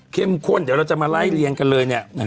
ข้นเดี๋ยวเราจะมาไล่เรียงกันเลยเนี่ย